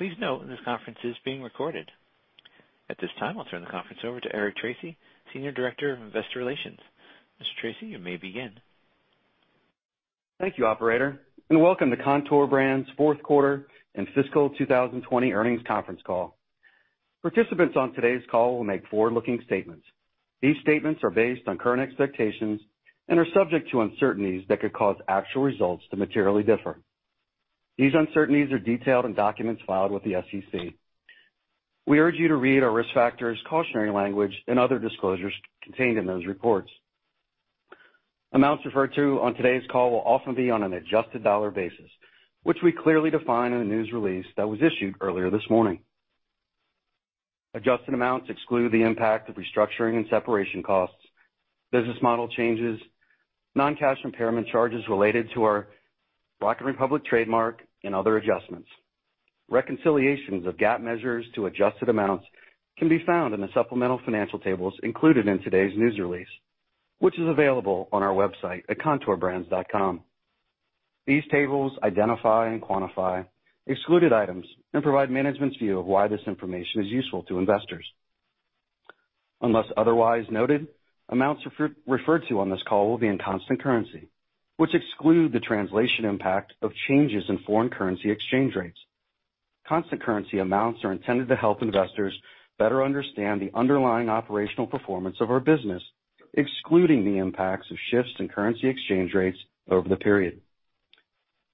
Please note this conference is being recorded. At this time, I'll turn the conference over to Eric Tracy, Senior Director of Investor Relations. Mr. Tracy, you may begin. Thank you, Operator, and welcome to Kontoor Brands fourth quarter and fiscal 2020 earnings conference call. Participants on today's call will make forward-looking statements. These statements are based on current expectations and are subject to uncertainties that could cause actual results to materially differ. These uncertainties are detailed in documents filed with the SEC. We urge you to read our risk factors, cautionary language, and other disclosures contained in those reports. Amounts referred to on today's call will often be on an adjusted dollar basis, which we clearly define in the news release that was issued earlier this morning. Adjusted amounts exclude the impact of restructuring and separation costs, business model changes, non-cash impairment charges related to our Rock & Republic trademark and other adjustments. Reconciliations of GAAP measures to adjusted amounts can be found in the supplemental financial tables included in today's news release, which is available on our website at kontoorbrands.com. These tables identify and quantify excluded items and provide management's view of why this information is useful to investors. Unless otherwise noted, amounts referred to on this call will be in constant currency, which exclude the translation impact of changes in foreign currency exchange rates. Constant currency amounts are intended to help investors better understand the underlying operational performance of our business, excluding the impacts of shifts in currency exchange rates over the period.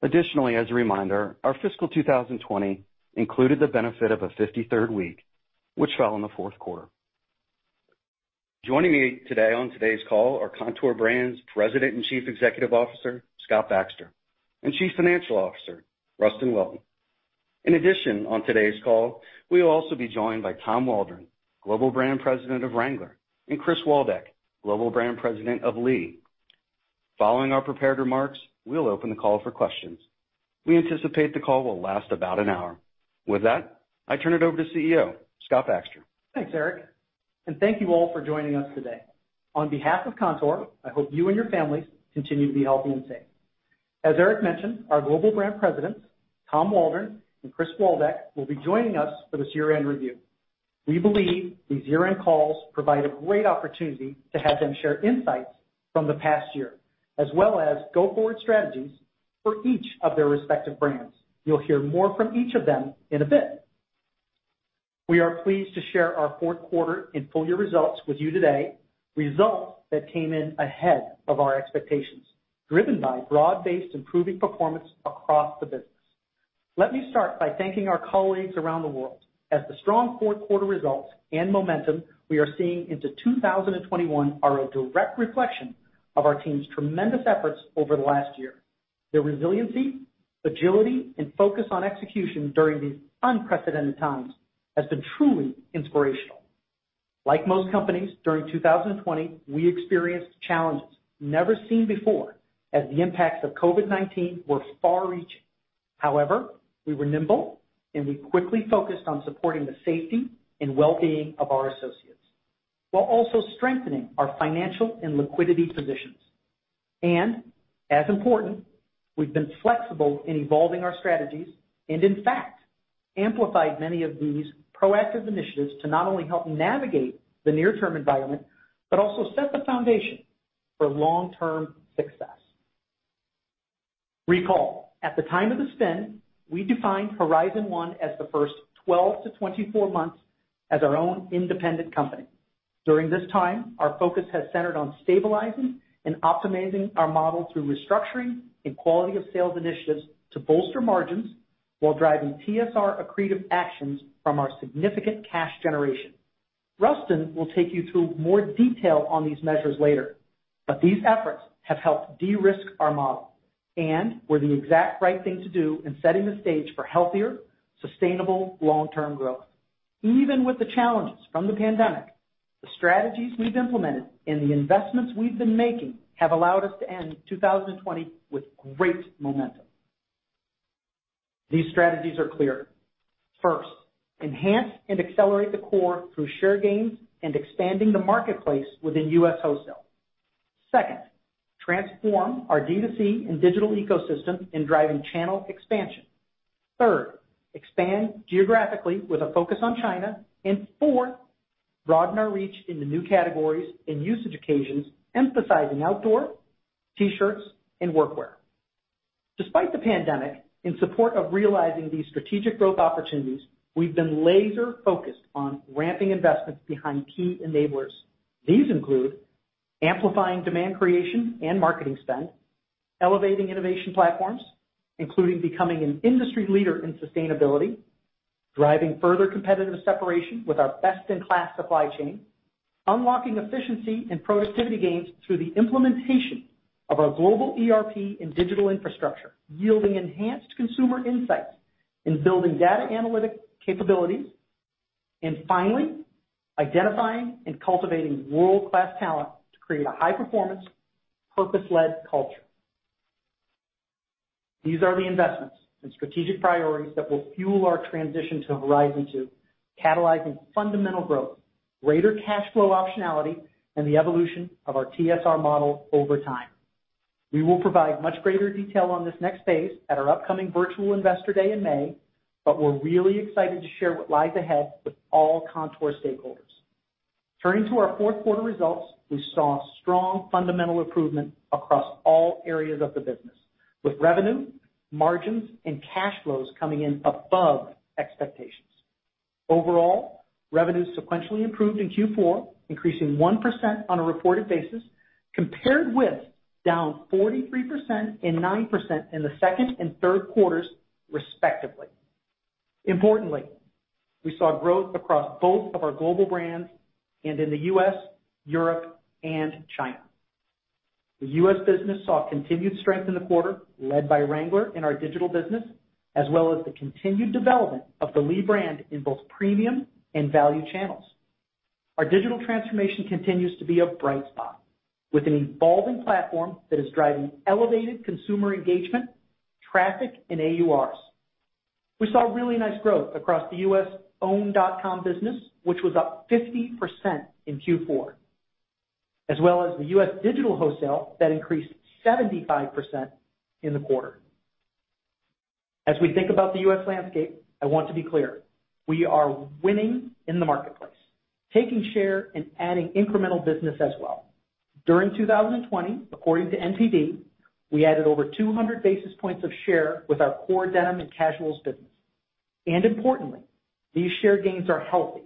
Additionally, as a reminder, our fiscal 2020 included the benefit of a 53rd week, which fell in the fourth quarter. Joining me today on today's call are Kontoor Brands President and Chief Executive Officer, Scott Baxter, and Chief Financial Officer, Rustin Welton. In addition, on today's call, we will also be joined by Tom Waldron, Global Brand President of Wrangler, and Chris Waldeck, Global Brand President of Lee. Following our prepared remarks, we will open the call for questions. We anticipate the call will last about an hour. With that, I turn it over to CEO, Scott Baxter. Thanks, Eric. Thank you all for joining us today. On behalf of Kontoor, I hope you and your families continue to be healthy and safe. As Eric mentioned, our Global Brand Presidents, Tom Waldron and Chris Waldeck, will be joining us for this year-end review. We believe these year-end calls provide a great opportunity to have them share insights from the past year, as well as go forward strategies for each of their respective brands. You'll hear more from each of them in a bit. We are pleased to share our fourth quarter and full year results with you today, results that came in ahead of our expectations, driven by broad-based improving performance across the business. Let me start by thanking our colleagues around the world, as the strong fourth quarter results and momentum we are seeing into 2021 are a direct reflection of our team's tremendous efforts over the last year. Their resiliency, agility, and focus on execution during these unprecedented times has been truly inspirational. Like most companies, during 2020, we experienced challenges never seen before as the impacts of COVID-19 were far reaching. However, we were nimble, and we quickly focused on supporting the safety and well-being of our associates while also strengthening our financial and liquidity positions. As important, we've been flexible in evolving our strategies and in fact, amplified many of these proactive initiatives to not only help navigate the near term environment, but also set the foundation for long-term success. Recall, at the time of the spin, we defined Horizon 1 as the first 12-24 months as our own independent company. During this time, our focus has centered on stabilizing and optimizing our model through restructuring and quality of sales initiatives to bolster margins while driving TSR accretive actions from our significant cash generation. Rustin will take you through more detail on these measures later, these efforts have helped de-risk our model and were the exact right thing to do in setting the stage for healthier, sustainable long-term growth. Even with the challenges from the pandemic, the strategies we've implemented and the investments we've been making have allowed us to end 2020 with great momentum. These strategies are clear. First, enhance and accelerate the core through share gains and expanding the marketplace within U.S. wholesale. Second, transform our D2C and digital ecosystem in driving channel expansion. Third, expand geographically with a focus on China. Fourth, broaden our reach into new categories and usage occasions, emphasizing outdoor, T-shirts, and workwear. Despite the pandemic, in support of realizing these strategic growth opportunities, we've been laser focused on ramping investments behind key enablers. These include: amplifying demand creation and marketing spend, elevating innovation platforms, including becoming an industry leader in sustainability, driving further competitive separation with our best-in-class supply chain, unlocking efficiency and productivity gains through the implementation of our global ERP and digital infrastructure, yielding enhanced consumer insights in building data analytic capabilities, and finally, identifying and cultivating world-class talent to create a high-performance, purpose-led culture. These are the investments and strategic priorities that will fuel our transition to Horizon 2, catalyzing fundamental growth, greater cash flow optionality, and the evolution of our TSR model over time. We will provide much greater detail on this next phase at our upcoming virtual Investor Day in May, but we're really excited to share what lies ahead with all Kontoor stakeholders. Turning to our fourth quarter results, we saw strong fundamental improvement across all areas of the business, with revenue, margins, and cash flows coming in above expectations. Overall, revenue sequentially improved in Q4, increasing 1% on a reported basis, compared with down 43% and 9% in the second and third quarters respectively. Importantly, we saw growth across both of our global brands and in the U.S., Europe, and China. The U.S. business saw continued strength in the quarter, led by Wrangler in our digital business, as well as the continued development of the Lee brand in both premium and value channels. Our digital transformation continues to be a bright spot, with an evolving platform that is driving elevated consumer engagement, traffic, and AURs. We saw really nice growth across the U.S. owned dot-com business, which was up 50% in Q4, as well as the U.S. digital wholesale that increased 75% in the quarter. We think about the U.S. landscape, I want to be clear, we are winning in the marketplace, taking share and adding incremental business as well. During 2020, according to The NPD, we added over 200 basis points of share with our core denim and casuals business. Importantly, these share gains are healthy,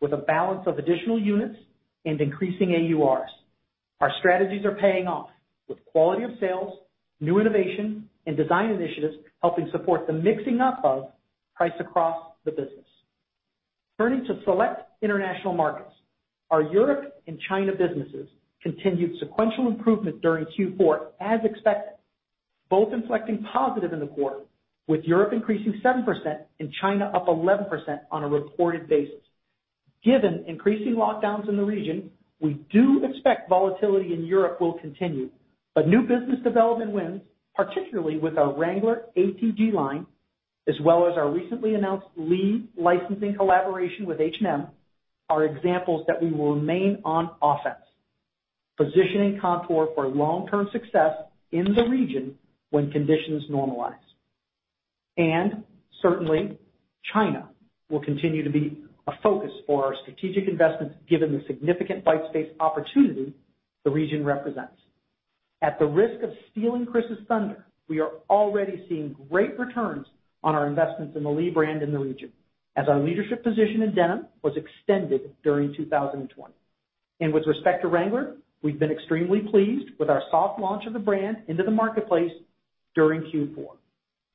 with a balance of additional units and increasing AURs. Our strategies are paying off, with quality of sales, new innovation, and design initiatives helping support the mixing up of price across the business. Turning to select international markets. Our Europe and China businesses continued sequential improvement during Q4 as expected, both inflecting positive in the quarter, with Europe increasing 7% and China up 11% on a reported basis. Given increasing lockdowns in the region, we do expect volatility in Europe will continue. New business development wins, particularly with our Wrangler ATG line, as well as our recently announced Lee licensing collaboration with H&M, are examples that we will remain on offense, positioning Kontoor for long-term success in the region when conditions normalize. Certainly, China will continue to be a focus for our strategic investments given the significant white space opportunity the region represents. At the risk of stealing Chris's thunder, we are already seeing great returns on our investments in the Lee brand in the region, as our leadership position in denim was extended during 2020. With respect to Wrangler, we've been extremely pleased with our soft launch of the brand into the marketplace during Q4.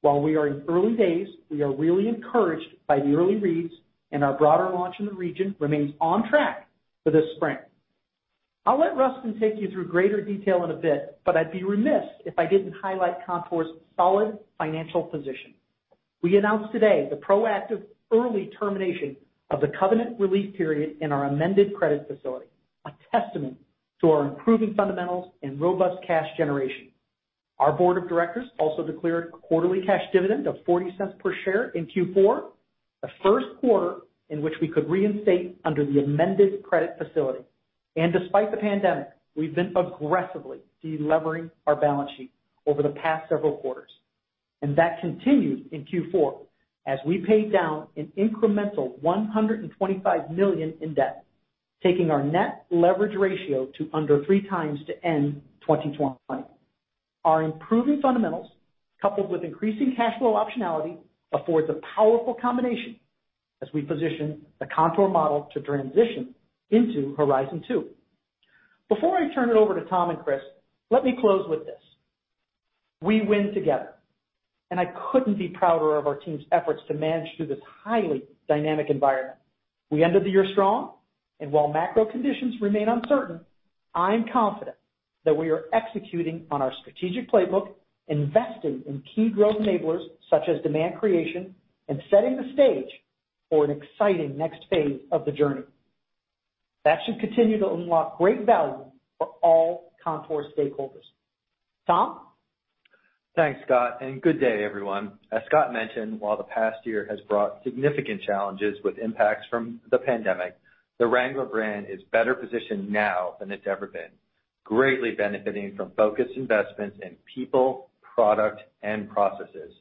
While we are in early days, we are really encouraged by the early reads, Our broader launch in the region remains on track for this spring. I'll let Rustin take you through greater detail in a bit, but I'd be remiss if I didn't highlight Kontoor's solid financial position. We announced today the proactive early termination of the covenant relief period in our amended credit facility, a testament to our improving fundamentals and robust cash generation. Our board of directors also declared a quarterly cash dividend of $0.40 per share in Q4, the first quarter in which we could reinstate under the amended credit facility. Despite the pandemic, we've been aggressively de-levering our balance sheet over the past several quarters. That continued in Q4, as we paid down an incremental $125 million in debt, taking our net leverage ratio to under three times to end 2020. Our improving fundamentals, coupled with increasing cash flow optionality, affords a powerful combination as we position the Kontoor model to transition into Horizon 2. Before I turn it over to Tom and Chris, let me close with this. We win together, and I couldn't be prouder of our team's efforts to manage through this highly dynamic environment. We ended the year strong. While macro conditions remain uncertain, I'm confident that we are executing on our strategic playbook, investing in key growth enablers such as demand creation, and setting the stage for an exciting next phase of the journey. That should continue to unlock great value for all Kontoor stakeholders. Tom? Thanks, Scott, good day, everyone. As Scott mentioned, while the past year has brought significant challenges with impacts from the pandemic, the Wrangler brand is better positioned now than it's ever been, greatly benefiting from focused investments in people, product, and processes.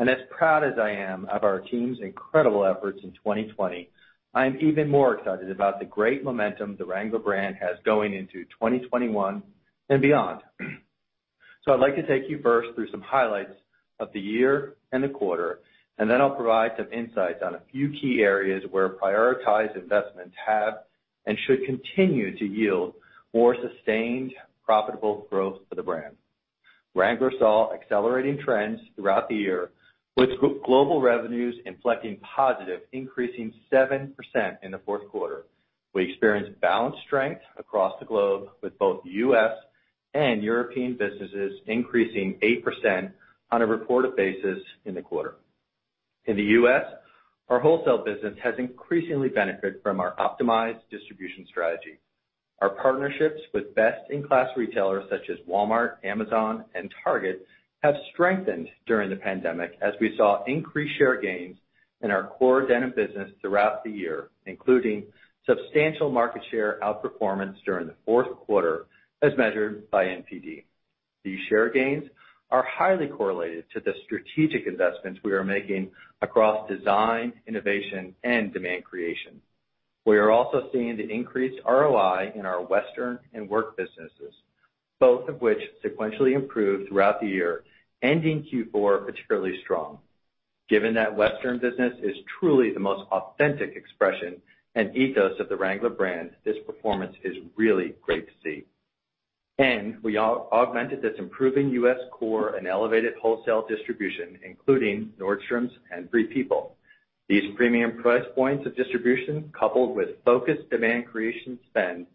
As proud as I am of our team's incredible efforts in 2020, I am even more excited about the great momentum the Wrangler brand has going into 2021 and beyond. I'd like to take you first through some highlights of the year and the quarter, then I'll provide some insights on a few key areas where prioritized investments have and should continue to yield more sustained, profitable growth for the brand. Wrangler saw accelerating trends throughout the year, with global revenues inflecting positive, increasing 7% in the fourth quarter. We experienced balanced strength across the globe, with both U.S. and European businesses increasing 8% on a reported basis in the quarter. In the U.S., our wholesale business has increasingly benefited from our optimized distribution strategy. Our partnerships with best-in-class retailers such as Walmart, Amazon, and Target have strengthened during the pandemic, as we saw increased share gains in our core denim business throughout the year, including substantial market share outperformance during the fourth quarter as measured by NPD. These share gains are highly correlated to the strategic investments we are making across design, innovation, and demand creation. We are also seeing the increased ROI in our western and work businesses, both of which sequentially improved throughout the year, ending Q4 particularly strong. Given that western business is truly the most authentic expression and ethos of the Wrangler brand, this performance is really great to see. We augmented this improving U.S. core and elevated wholesale distribution, including Nordstrom and Free People. These premium price points of distribution, coupled with focused demand creation spend,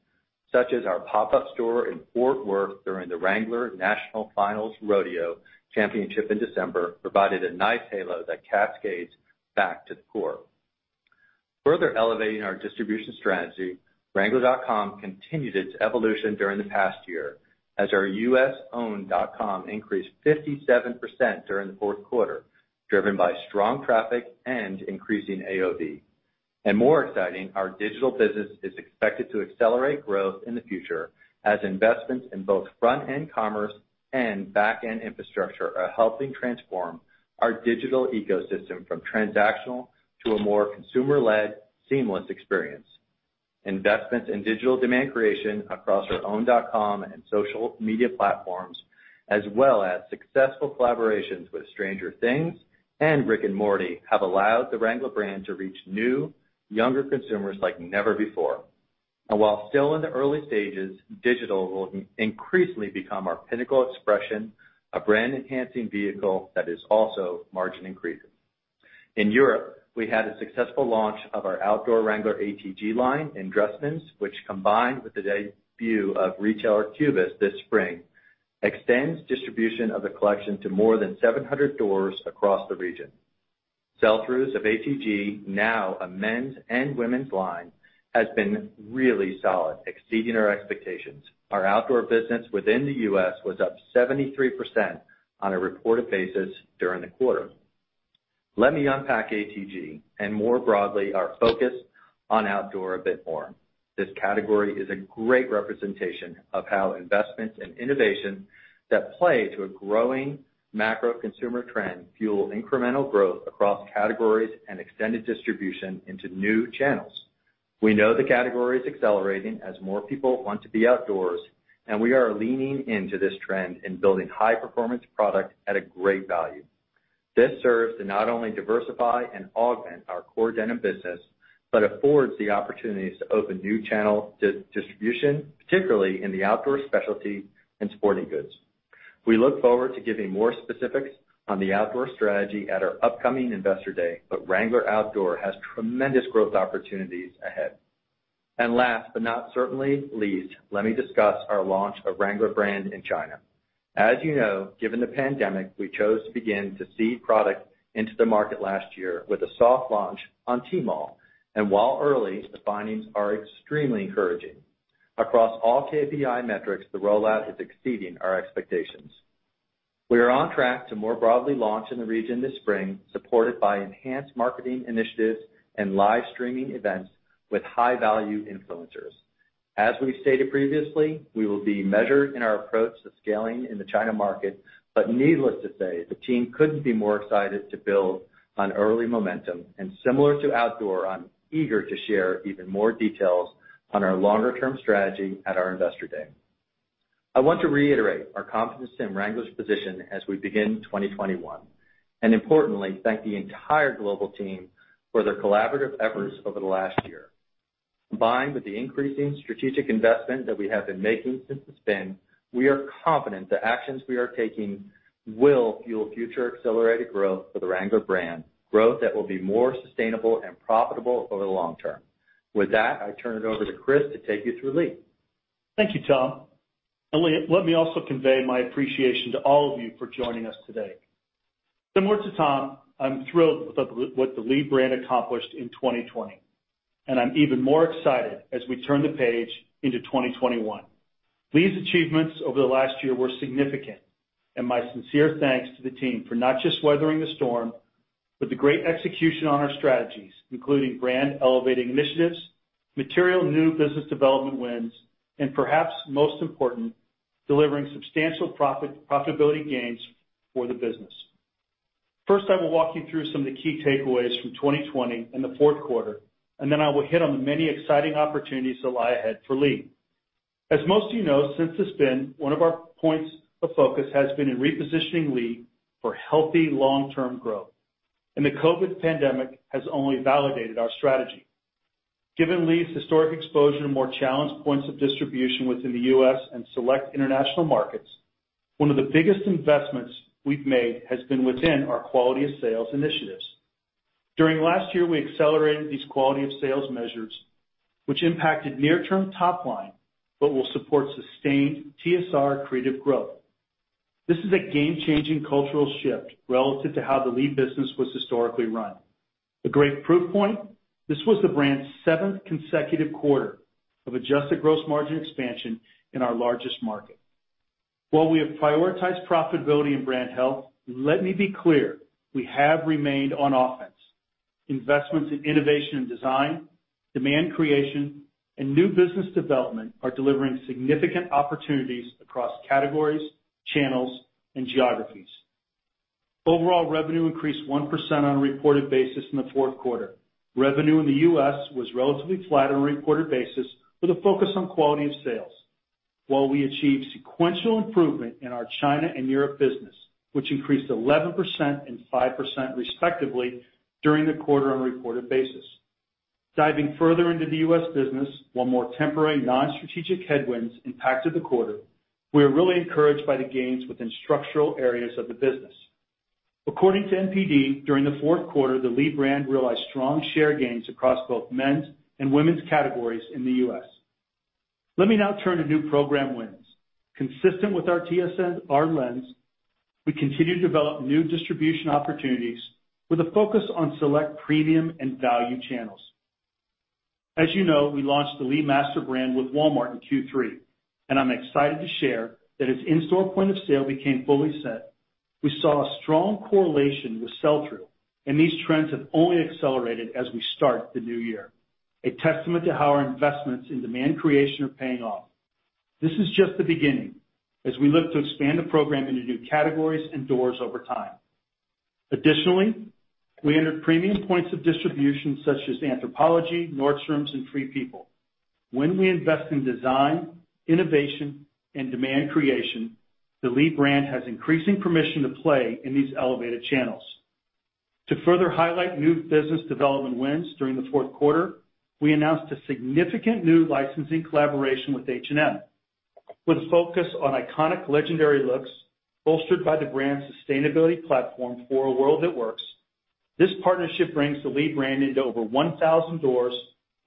such as our pop-up store in Fort Worth during the Wrangler National Finals Rodeo in December, provided a nice halo that cascades back to the core. Further elevating our distribution strategy, wrangler.com continued its evolution during the past year as our U.S. owned.com increased 57% during the fourth quarter, driven by strong traffic and increasing AOV. More exciting, our digital business is expected to accelerate growth in the future as investments in both front-end commerce and back-end infrastructure are helping transform our digital ecosystem from transactional to a more consumer-led, seamless experience. Investments in digital demand creation across our own .com and social media platforms, as well as successful collaborations with "Stranger Things" and "Rick and Morty" have allowed the Wrangler brand to reach new, younger consumers like never before. While still in the early stages, digital will increasingly become our pinnacle expression, a brand-enhancing vehicle that is also margin increasing. In Europe, we had a successful launch of our outdoor Wrangler ATG line in Dressmann, which, combined with the debut of retailer Cubus this spring, extends distribution of the collection to more than 700 doors across the region. Sell-throughs of ATG, now a men's and women's line, has been really solid, exceeding our expectations. Our outdoor business within the U.S. was up 73% on a reported basis during the quarter. Let me unpack ATG and more broadly, our focus on outdoor a bit more. This category is a great representation of how investments in innovation that play to a growing macro consumer trend fuel incremental growth across categories and extended distribution into new channels. We know the category is accelerating as more people want to be outdoors, and we are leaning into this trend and building high performance product at a great value. This serves to not only diversify and augment our core denim business, but affords the opportunities to open new channel distribution, particularly in the outdoor specialty and sporting goods. We look forward to giving more specifics on the outdoor strategy at our upcoming Investor Day, but Wrangler Outdoor has tremendous growth opportunities ahead. Last, but not certainly least, let me discuss our launch of Wrangler brand in China. As you know, given the pandemic, we chose to begin to seed product into the market last year with a soft launch on Tmall. While early, the findings are extremely encouraging. Across all KPI metrics, the rollout is exceeding our expectations. We are on track to more broadly launch in the region this spring, supported by enhanced marketing initiatives and live streaming events with high value influencers. As we stated previously, we will be measured in our approach to scaling in the China market. Needless to say, the team couldn't be more excited to build on early momentum. Similar to outdoor, I'm eager to share even more details on our longer term strategy at our Investor Day. I want to reiterate our confidence in Wrangler's position as we begin 2021, and importantly, thank the entire global team for their collaborative efforts over the last year. Combined with the increasing strategic investment that we have been making since the spin, we are confident the actions we are taking will fuel future accelerated growth for the Wrangler brand, growth that will be more sustainable and profitable over the long term. With that, I turn it over to Chris to take you through Lee. Thank you, Tom. Let me also convey my appreciation to all of you for joining us today. Similar to Tom, I'm thrilled with what the Lee brand accomplished in 2020. I'm even more excited as we turn the page into 2021. Lee's achievements over the last year were significant. My sincere thanks to the team for not just weathering the storm, but the great execution on our strategies, including brand elevating initiatives, material new business development wins, and perhaps most important, delivering substantial profitability gains for the business. First, I will walk you through some of the key takeaways from 2020 and the fourth quarter. Then I will hit on the many exciting opportunities that lie ahead for Lee. As most of you know, since the spin, one of our points of focus has been in repositioning Lee for healthy long-term growth, and the COVID pandemic has only validated our strategy. Given Lee's historic exposure to more challenged points of distribution within the U.S. and select international markets, one of the biggest investments we've made has been within our quality of sales initiatives. During last year, we accelerated these quality of sales measures, which impacted near term top line, but will support sustained TSR accretive growth. This is a game changing cultural shift relative to how the Lee business was historically run. A great proof point, this was the brand's seventh consecutive quarter of adjusted gross margin expansion in our largest market. While we have prioritized profitability and brand health, let me be clear, we have remained on offense. Investments in innovation and design, demand creation, and new business development are delivering significant opportunities across categories, channels, and geographies. Overall revenue increased 1% on a reported basis in the fourth quarter. Revenue in the U.S. was relatively flat on a reported basis with a focus on quality of sales. While we achieved sequential improvement in our China and Europe business, which increased 11% and 5% respectively during the quarter on a reported basis. Diving further into the U.S. business, while more temporary non-strategic headwinds impacted the quarter, we are really encouraged by the gains within structural areas of the business. According to NPD, during the fourth quarter, the Lee brand realized strong share gains across both men's and women's categories in the U.S. Let me now turn to new program wins. Consistent with our TSR lens, we continue to develop new distribution opportunities with a focus on select premium and value channels. As you know, we launched the Lee master brand with Walmart in Q3, and I'm excited to share that its in-store point of sale became fully set. We saw a strong correlation with sell-through, and these trends have only accelerated as we start the new year, a testament to how our investments in demand creation are paying off. This is just the beginning as we look to expand the program into new categories and doors over time. Additionally, we entered premium points of distribution such as Anthropologie, Nordstrom, and Free People. When we invest in design, innovation, and demand creation, the Lee brand has increasing permission to play in these elevated channels. To further highlight new business development wins during the fourth quarter, we announced a significant new licensing collaboration with H&M. With a focus on iconic legendary looks bolstered by the brand sustainability platform For A World That Works, this partnership brings the Lee brand into over 1,000 doors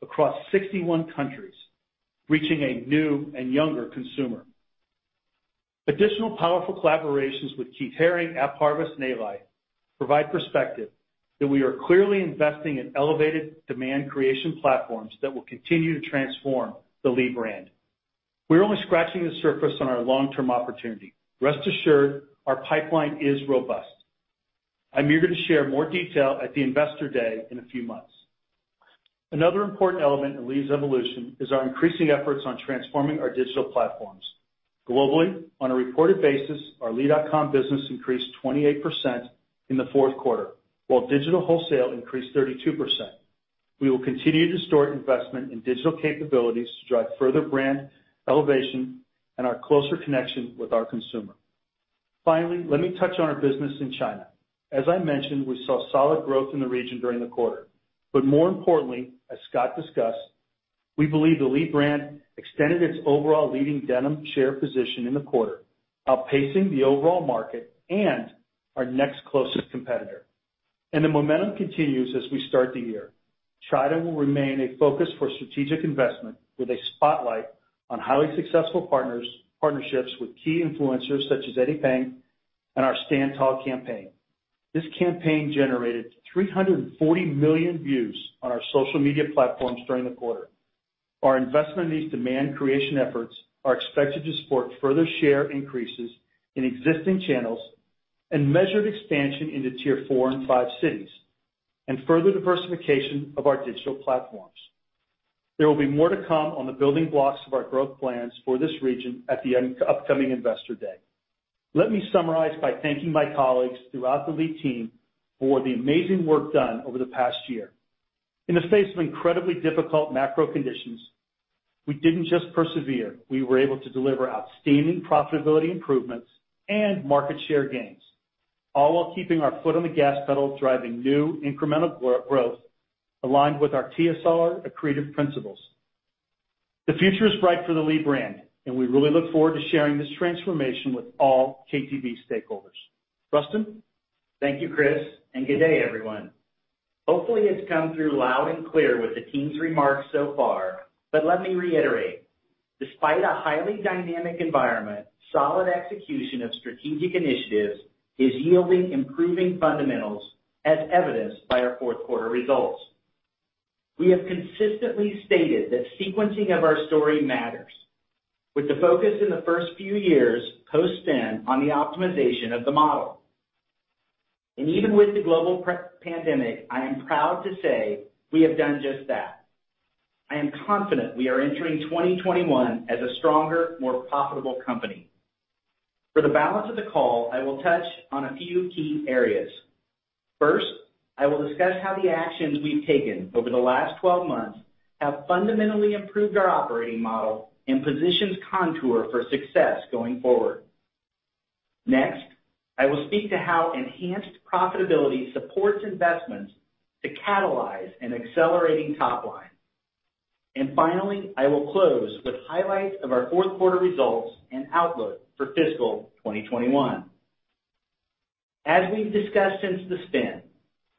across 61 countries, reaching a new and younger consumer. Additional powerful collaborations with Keith Haring, AppHarvest, and Alife provide perspective that we are clearly investing in elevated demand creation platforms that will continue to transform the Lee brand. We're only scratching the surface on our long-term opportunity. Rest assured our pipeline is robust. I'm eager to share more detail at the Investor Day in a few months. Another important element in Lee's evolution is our increasing efforts on transforming our digital platforms. Globally, on a reported basis, our lee.com business increased 28% in the fourth quarter, while digital wholesale increased 32%. We will continue to pour investment in digital capabilities to drive further brand elevation and our closer connection with our consumer. Finally, let me touch on our business in China. As I mentioned, we saw solid growth in the region during the quarter. More importantly, as Scott discussed, we believe the Lee brand extended its overall leading denim share position in the quarter, outpacing the overall market and our next closest competitor. The momentum continues as we start the year. China will remain a focus for strategic investment with a spotlight on highly successful partnerships with key influencers such as Eddie Peng and our Stand Tall campaign. This campaign generated 340 million views on our social media platforms during the quarter. Our investment in these demand creation efforts are expected to support further share increases in existing channels and measured expansion into Tier 4 and 5 cities and further diversification of our digital platforms. There will be more to come on the building blocks of our growth plans for this region at the upcoming Investor Day. Let me summarize by thanking my colleagues throughout the Lee team for the amazing work done over the past year. In the face of incredibly difficult macro conditions, we didn't just persevere, we were able to deliver outstanding profitability improvements and market share gains, all while keeping our foot on the gas pedal, driving new incremental growth aligned with our TSR accretive principles. The future is bright for the Lee brand, and we really look forward to sharing this transformation with all KTB stakeholders. Rustin? Thank you, Chris, and good day, everyone. Hopefully, it's come through loud and clear with the team's remarks so far, but let me reiterate. Despite a highly dynamic environment, solid execution of strategic initiatives is yielding improving fundamentals as evidenced by our fourth quarter results. We have consistently stated that sequencing of our story matters. With the focus in the first few years post-spin on the optimization of the model. And even with the global pandemic, I am proud to say we have done just that. I am confident we are entering 2021 as a stronger, more profitable company. For the balance of the call, I will touch on a few key areas. First, I will discuss how the actions we've taken over the last 12 months have fundamentally improved our operating model and positions Kontoor for success going forward. Next, I will speak to how enhanced profitability supports investments to catalyze an accelerating top line. Finally, I will close with highlights of our fourth quarter results and outlook for fiscal 2021. As we've discussed since the spin,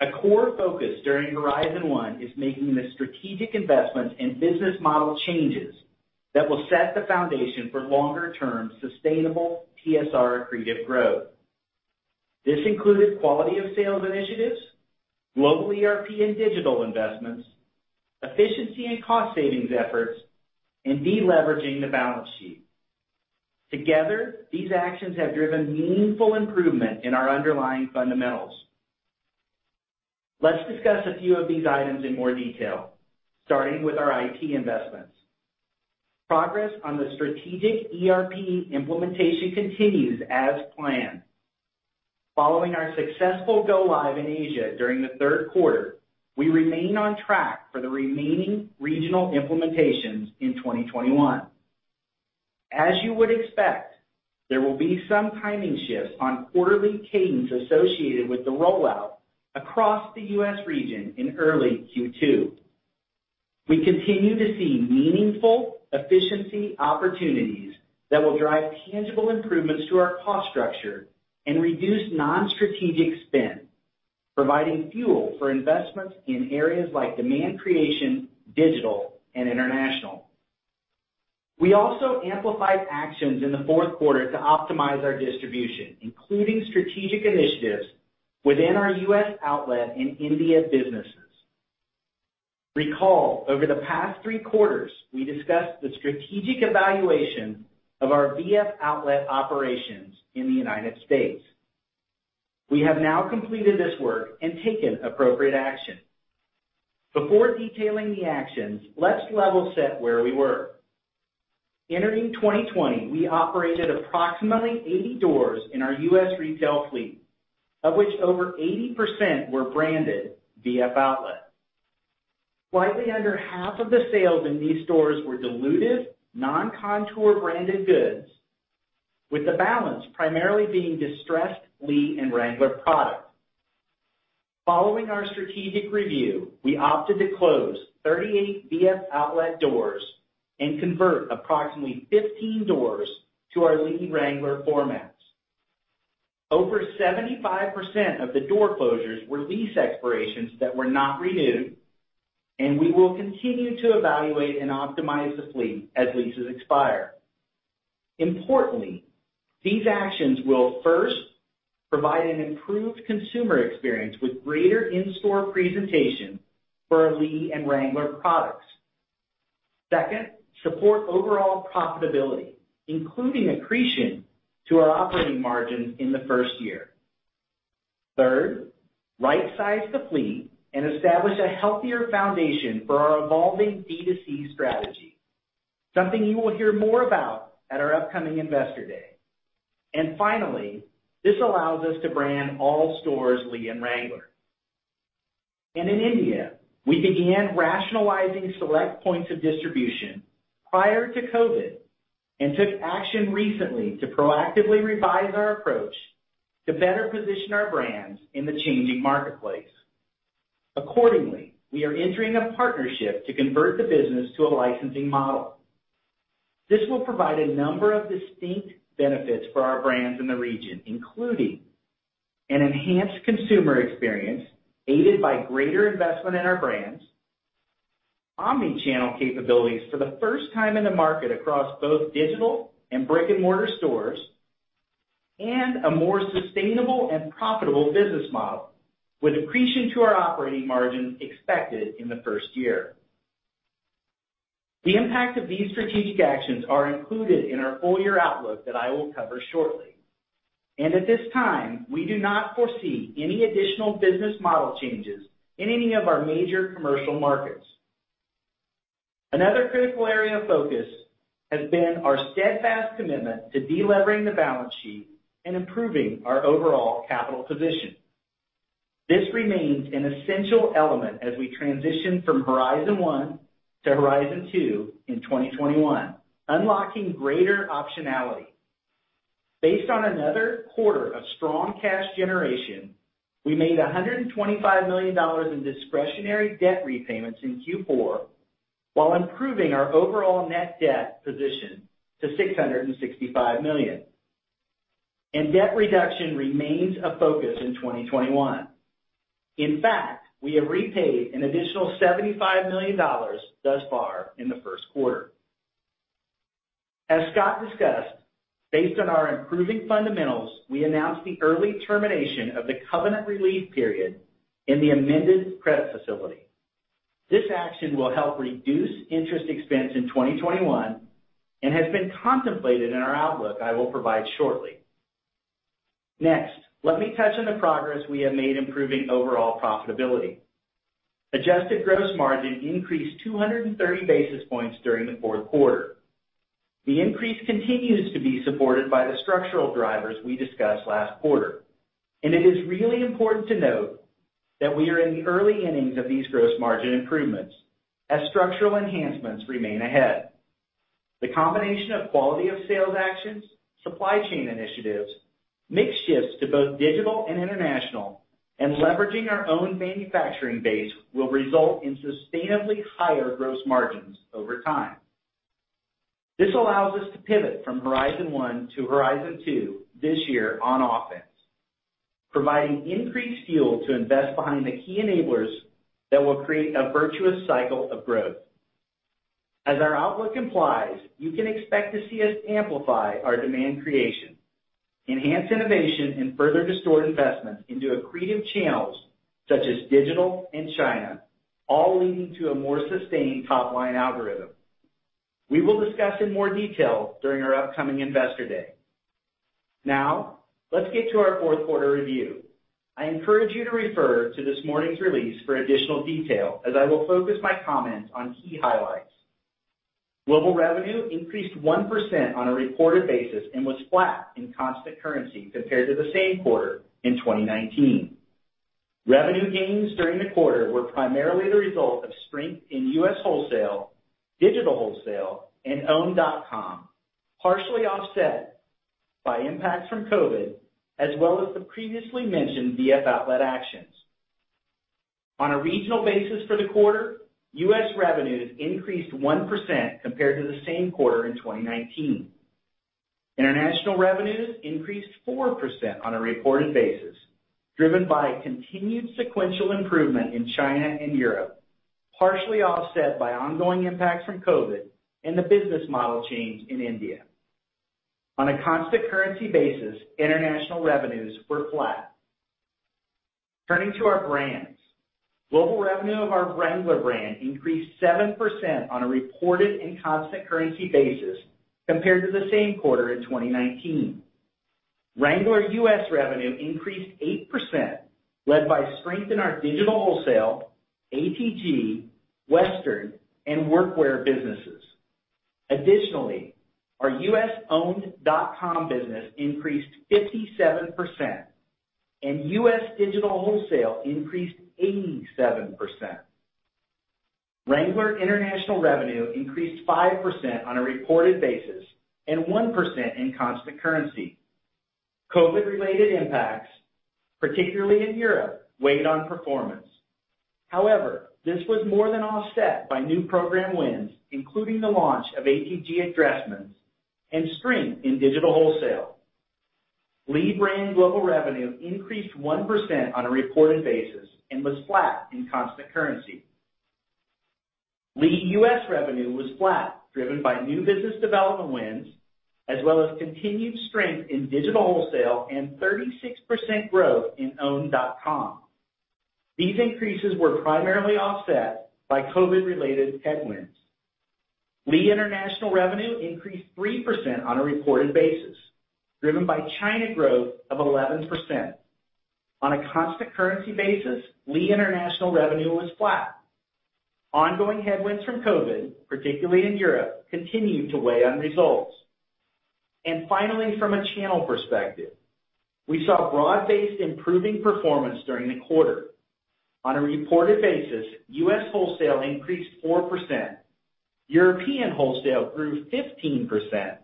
a core focus during Horizon 1 is making the strategic investments and business model changes that will set the foundation for longer term sustainable TSR accretive growth. This included quality of sales initiatives, global ERP and digital investments, efficiency and cost savings efforts, and deleveraging the balance sheet. Together, these actions have driven meaningful improvement in our underlying fundamentals. Let's discuss a few of these items in more detail, starting with our IT investments. Progress on the strategic ERP implementation continues as planned. Following our successful go live in Asia during the third quarter, we remain on track for the remaining regional implementations in 2021. As you would expect, there will be some timing shifts on quarterly cadence associated with the rollout across the U.S. region in early Q2. We continue to see meaningful efficiency opportunities that will drive tangible improvements to our cost structure and reduce non-strategic spend, providing fuel for investments in areas like demand creation, digital, and international. We also amplified actions in the fourth quarter to optimize our distribution, including strategic initiatives within our U.S. outlet and India businesses. Recall, over the past three quarters, we discussed the strategic evaluation of our VF Outlet operations in the United States. We have now completed this work and taken appropriate action. Before detailing the actions, let's level set where we were. Entering 2020, we operated approximately 80 doors in our U.S. retail fleet, of which over 80% were branded VF Outlet. Slightly under half of the sales in these stores were diluted, non-Kontoor branded goods, with the balance primarily being distressed Lee and Wrangler product. Following our strategic review, we opted to close 38 VF Outlet doors and convert approximately 15 doors to our Lee Wrangler formats. Over 75% of the door closures were lease expirations that were not renewed, and we will continue to evaluate and optimize the fleet as leases expire. Importantly, these actions will, first, provide an improved consumer experience with greater in-store presentation for our Lee and Wrangler products. Second, support overall profitability, including accretion to our operating margins in the first year. Third, right size the fleet and establish a healthier foundation for our evolving D2C strategy, something you will hear more about at our upcoming investor day. Finally, this allows us to brand all stores Lee and Wrangler. In India, we began rationalizing select points of distribution prior to COVID and took action recently to proactively revise our approach to better position our brands in the changing marketplace. Accordingly, we are entering a partnership to convert the business to a licensing model. This will provide a number of distinct benefits for our brands in the region, including an enhanced consumer experience aided by greater investment in our brands, omni-channel capabilities for the first time in the market across both digital and brick-and-mortar stores, and a more sustainable and profitable business model with accretion to our operating margin expected in the first year. The impact of these strategic actions are included in our full year outlook that I will cover shortly. At this time, we do not foresee any additional business model changes in any of our major commercial markets. Another critical area of focus has been our steadfast commitment to delevering the balance sheet and improving our overall capital position. This remains an essential element as we transition from Horizon 1 to Horizon 2 in 2021, unlocking greater optionality. Based on another quarter of strong cash generation, we made $125 million in discretionary debt repayments in Q4, while improving our overall net debt position to $665 million. Debt reduction remains a focus in 2021. In fact, we have repaid an additional $75 million thus far in the first quarter. As Scott discussed, based on our improving fundamentals, we announced the early termination of the covenant relief period in the amended credit facility. This action will help reduce interest expense in 2021 and has been contemplated in our outlook I will provide shortly. Let me touch on the progress we have made improving overall profitability. Adjusted gross margin increased 230 basis points during the fourth quarter. The increase continues to be supported by the structural drivers we discussed last quarter, it is really important to note that we are in the early innings of these gross margin improvements as structural enhancements remain ahead. The combination of quality of sales actions, supply chain initiatives, mix shifts to both digital and international, and leveraging our own manufacturing base will result in sustainably higher gross margins over time. This allows us to pivot from Horizon 1 to Horizon 2 this year on offense, providing increased fuel to invest behind the key enablers that will create a virtuous cycle of growth. As our outlook implies, you can expect to see us amplify our demand creation, enhance innovation, and further distort investments into accretive channels such as digital and China, all leading to a more sustained top-line algorithm. We will discuss in more detail during our upcoming investor day. Let's get to our fourth quarter review. I encourage you to refer to this morning's release for additional detail, as I will focus my comments on key highlights. Global revenue increased 1% on a reported basis and was flat in constant currency compared to the same quarter in 2019. Revenue gains during the quarter were primarily the result of strength in U.S. wholesale, digital wholesale, and owned.com, partially offset by impacts from COVID, as well as the previously mentioned VF Outlet actions. On a regional basis for the quarter, U.S. revenues increased 1% compared to the same quarter in 2019. International revenues increased 4% on a reported basis, driven by a continued sequential improvement in China and Europe, partially offset by ongoing impacts from COVID and the business model change in India. On a constant currency basis, international revenues were flat. Turning to our brands. Global revenue of our Wrangler brand increased 7% on a reported and constant currency basis compared to the same quarter in 2019. Wrangler U.S. revenue increased 8%, led by strength in our digital wholesale, ATG, western, and workwear businesses. Additionally, our U.S. owned.com business increased 57%, and U.S. digital wholesale increased 87%. Wrangler international revenue increased 5% on a reported basis and 1% in constant currency. COVID-related impacts, particularly in Europe, weighed on performance. However, this was more than offset by new program wins, including the launch of ATG at Dressmann and strength in digital wholesale. Lee brand global revenue increased 1% on a reported basis and was flat in constant currency. Lee U.S. revenue was flat, driven by new business development wins, as well as continued strength in digital wholesale and 36% growth in owned.com. These increases were primarily offset by COVID-related headwinds. Lee international revenue increased 3% on a reported basis, driven by China growth of 11%. On a constant currency basis, Lee international revenue was flat. Ongoing headwinds from COVID, particularly in Europe, continued to weigh on results. Finally, from a channel perspective, we saw broad-based improving performance during the quarter. On a reported basis, U.S. wholesale increased 4%, European wholesale grew 15%,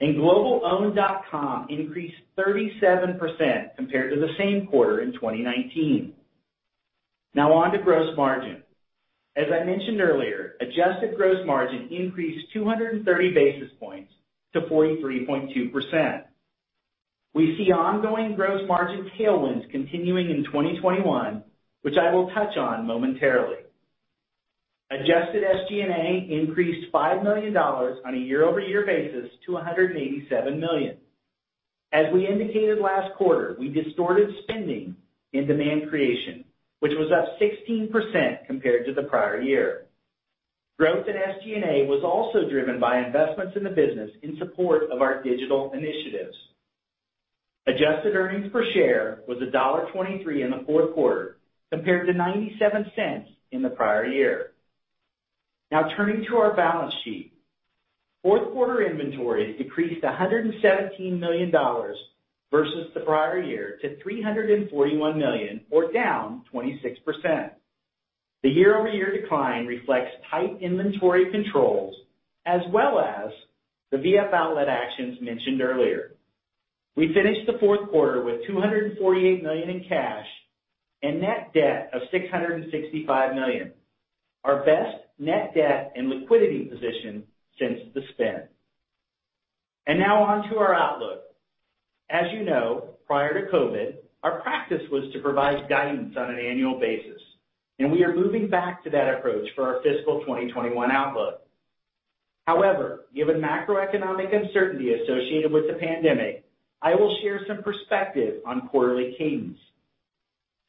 and global owned.com increased 37% compared to the same quarter in 2019. Now on to gross margin. As I mentioned earlier, adjusted gross margin increased 230 basis points to 43.2%. We see ongoing gross margin tailwinds continuing in 2021, which I will touch on momentarily. Adjusted SG&A increased $5 million on a year-over-year basis to $187 million. As we indicated last quarter, we distorted spending in demand creation, which was up 16% compared to the prior year. Growth in SG&A was also driven by investments in the business in support of our digital initiatives. Adjusted earnings per share was $1.23 in the fourth quarter, compared to $0.97 in the prior year. Turning to our balance sheet. Fourth quarter inventories decreased $117 million versus the prior year to $341 million, or down 26%. The year-over-year decline reflects tight inventory controls, as well as the VF Outlet actions mentioned earlier. We finished the fourth quarter with $248 million in cash and net debt of $665 million, our best net debt and liquidity position since the spin. Now on to our outlook. As you know, prior to COVID-19, our practice was to provide guidance on an annual basis, and we are moving back to that approach for our fiscal 2021 outlook. However, given macroeconomic uncertainty associated with the pandemic, I will share some perspective on quarterly cadence.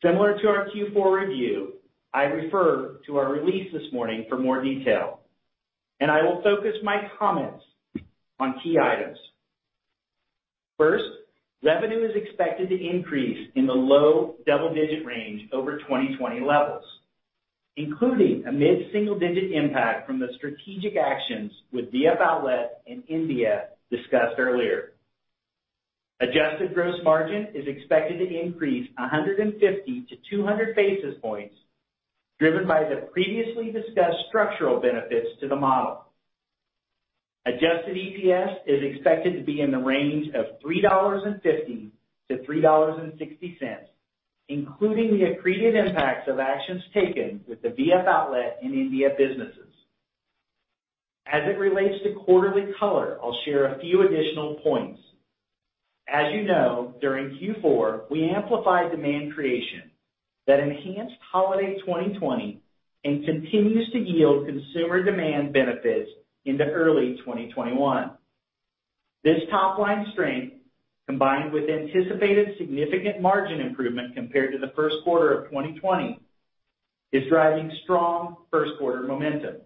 Similar to our Q4 review, I refer to our release this morning for more detail. I will focus my comments on key items. First, revenue is expected to increase in the low double-digit range over 2020 levels, including a mid-single-digit impact from the strategic actions with VF Outlet and India discussed earlier. Adjusted gross margin is expected to increase 150-200 basis points, driven by the previously discussed structural benefits to the model. Adjusted EPS is expected to be in the range of $3.50-$3.60, including the accretive impacts of actions taken with the VF Outlet and India businesses. As it relates to quarterly color, I'll share a few additional points. As you know, during Q4, we amplified demand creation that enhanced holiday 2020 and continues to yield consumer demand benefits into early 2021. This top-line strength, combined with anticipated significant margin improvement compared to the first quarter of 2020, is driving strong first quarter momentum.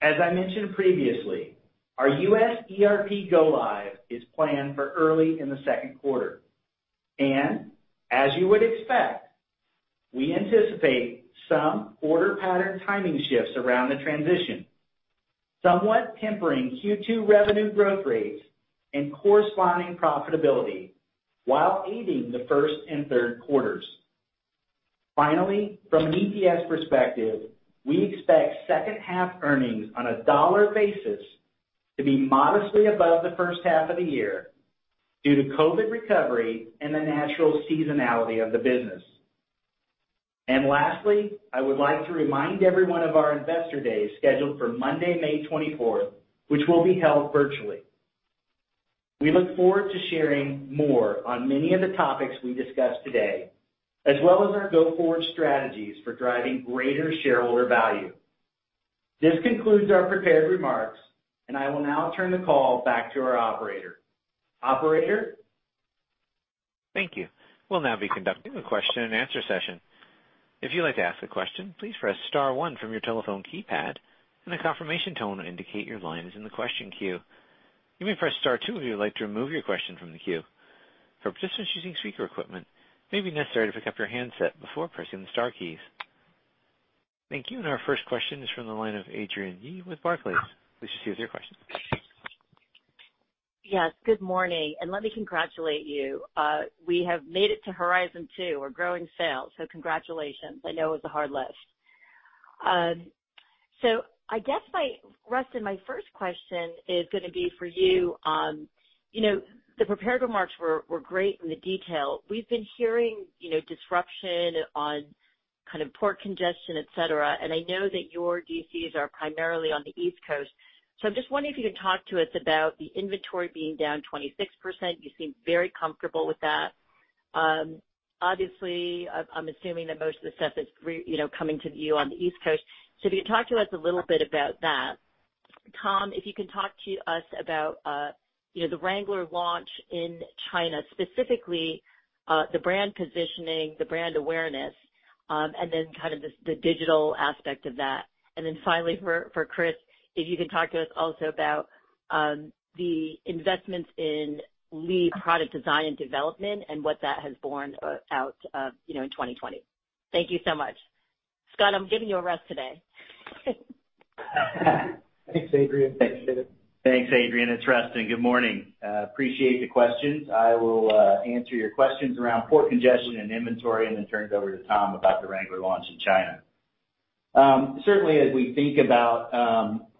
As I mentioned previously, our U.S. ERP go live is planned for early in the second quarter. As you would expect, we anticipate some order pattern timing shifts around the transition, somewhat tempering Q2 revenue growth rates and corresponding profitability while aiding the first and third quarters. Finally, from an EPS perspective, we expect second half earnings on a dollar basis to be modestly above the first half of the year due to COVID-19 recovery and the natural seasonality of the business. Lastly, I would like to remind everyone of our Investor Day scheduled for Monday, May 24th, which will be held virtually. We look forward to sharing more on many of the topics we discussed today, as well as our go-forward strategies for driving greater shareholder value. This concludes our prepared remarks, and I will now turn the call back to our operator. Operator? Thank you. We'll now be conducting a question and answer session. If you'd like to ask a question, please press star one from your telephone keypad, and a confirmation tone will indicate your line is in the question queue. You may press star two if you would like to remove your question from the queue. For participants using speaker equipment, it may be necessary to pick up your handset before pressing the star keys. Thank you. Our first question is from the line of Adrienne Yih with Barclays. Please proceed with your question. Yes, good morning, and let me congratulate you. We have made it to Horizon 2. We are growing sales. Congratulations. I know it was a hard lift. I guess, Rustin, my first question is going to be for you. The prepared remarks were great in the detail. We have been hearing disruption on port congestion, et cetera, and I know that your DCs are primarily on the East Coast. I am just wondering if you can talk to us about the inventory being down 26%. You seem very comfortable with that. Obviously, I am assuming that most of the stuff is coming to you on the East Coast. If you could talk to us a little bit about that. Tom, if you can talk to us about the Wrangler launch in China, specifically the brand positioning, the brand awareness, and then the digital aspect of that. Finally, for Chris, if you can talk to us also about the investments in Lee product design and development and what that has borne out in 2020. Thank you so much. Scott, I'm giving you a rest today. Thanks, Adrienne. Appreciate it. Thanks, Adrienne. It's Rustin. Good morning. Appreciate the questions. I will answer your questions around port congestion and inventory, then turn it over to Tom about the Wrangler launch in China. As we think about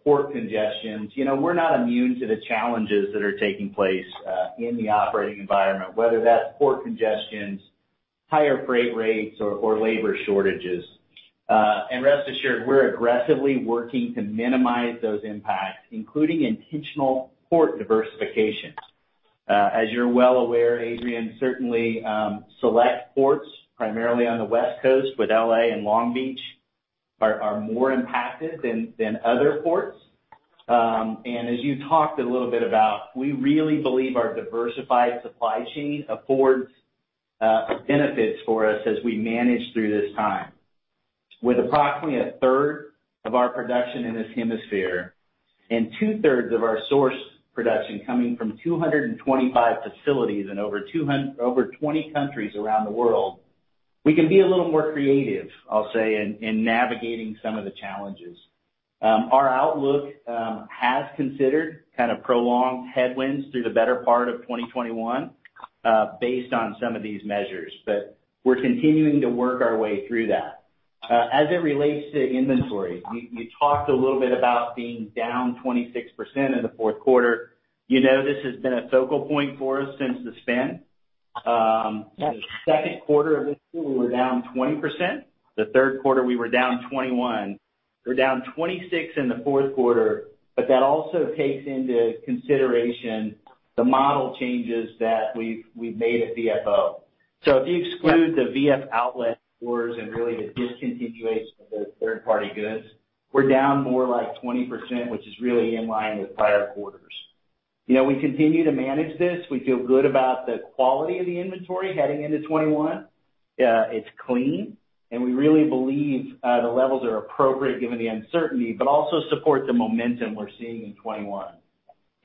port congestions, we're not immune to the challenges that are taking place in the operating environment, whether that's port congestions, higher freight rates or labor shortages. Rest assured, we're aggressively working to minimize those impacts, including intentional port diversification. As you're well aware, Adrienne, certainly select ports, primarily on the West Coast with L.A. and Long Beach, are more impacted than other ports. As you talked a little bit about, we really believe our diversified supply chain affords benefits for us as we manage through this time. With approximately a third of our production in this hemisphere and 2/3 of our source production coming from 225 facilities in over 20 countries around the world, we can be a little more creative, I'll say, in navigating some of the challenges. Our outlook has considered prolonged headwinds through the better part of 2021 based on some of these measures, but we're continuing to work our way through that. As it relates to inventory, you talked a little bit about being down 26% in the fourth quarter. You know this has been a focal point for us since the spin. The second quarter of this year, we were down 20%. The third quarter, we were down 21%. We're down 26% in the fourth quarter, but that also takes into consideration the model changes that we've made at VFO. If you exclude the VF Outlet stores and really the discontinuation of the third-party goods, we're down more like 20%, which is really in line with prior quarters. We continue to manage this. We feel good about the quality of the inventory heading into 2021. It's clean, and we really believe the levels are appropriate given the uncertainty, but also support the momentum we're seeing in 2021.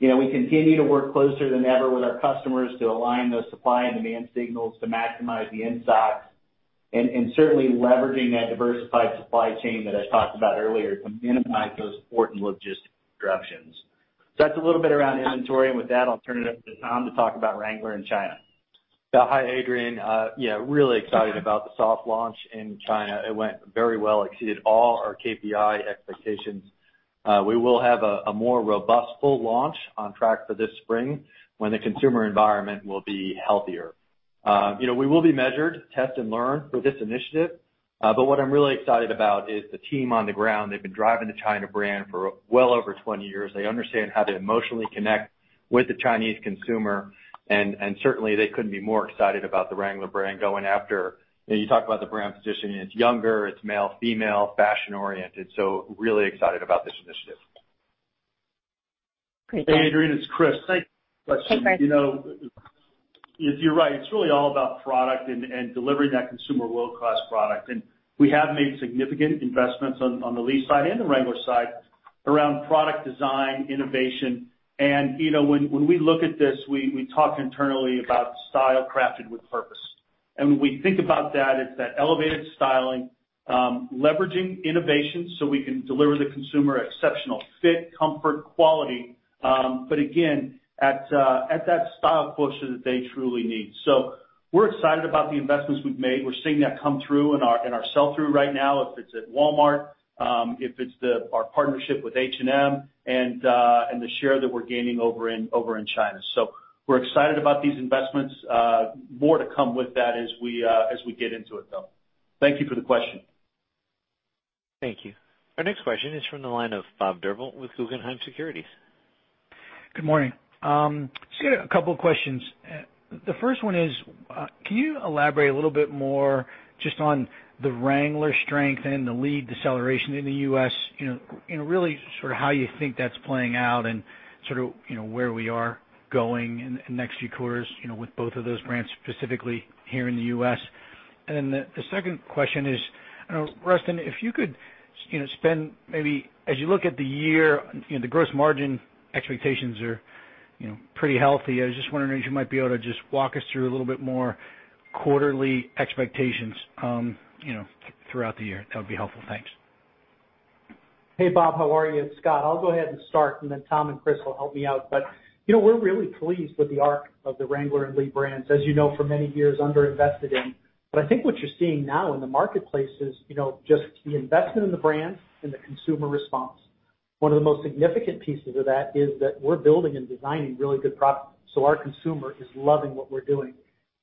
We continue to work closer than ever with our customers to align those supply and demand signals to maximize the insights and certainly leveraging that diversified supply chain that I talked about earlier to minimize those port and logistics disruptions. That's a little bit around inventory. With that, I'll turn it over to Tom to talk about Wrangler in China. Hi, Adrienne. Yeah, really excited about the soft launch in China. It went very well. Exceeded all our KPI expectations. We will have a more robust full launch on track for this spring when the consumer environment will be healthier. We will be measured, test and learn through this initiative. What I'm really excited about is the team on the ground. They've been driving the China brand for well over 20 years. They understand how to emotionally connect with the Chinese consumer, and certainly, they couldn't be more excited about the Wrangler brand. You talk about the brand positioning. It's younger, it's male, female, fashion oriented. Really excited about this initiative. Hey, Adrienne, it's Chris. Hey, Chris. You're right. It's really all about product and delivering that consumer world-class product. We have made significant investments on the Lee side and the Wrangler side around product design, innovation. When we look at this, we talk internally about style crafted with purpose. When we think about that, it's that elevated styling, leveraging innovation so we can deliver the consumer exceptional fit, comfort, quality. Again, at that style quotient that they truly need. We're excited about the investments we've made. We're seeing that come through in our sell through right now, if it's at Walmart, if it's our partnership with H&M and the share that we're gaining over in China. We're excited about these investments. More to come with that as we get into it, though. Thank you for the question. Thank you. Our next question is from the line of Bob Drbul with Guggenheim Securities. Good morning. Just got a couple of questions. The first one is, can you elaborate a little bit more just on the Wrangler strength and the Lee deceleration in the U.S., really how you think that's playing out and where we are going in the next few quarters, with both of those brands specifically here in the U.S. The second question is, Rustin, if you could spend maybe as you look at the year, the gross margin expectations are pretty healthy. I was just wondering if you might be able to just walk us through a little bit more quarterly expectations throughout the year. That would be helpful. Thanks. Hey, Bob, how are you? It's Scott. I'll go ahead and start, and then Tom and Chris will help me out. We're really pleased with the arc of the Wrangler and Lee brands, as you know, for many years under invested in. I think what you're seeing now in the marketplace is just the investment in the brand and the consumer response. One of the most significant pieces of that is that we're building and designing really good product, our consumer is loving what we're doing.